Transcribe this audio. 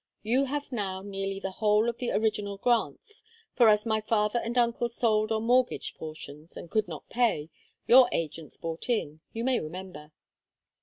You have now nearly the whole of the original grants, for as my father and uncle sold or mortgaged portions and could not pay your agents bought in. You may remember."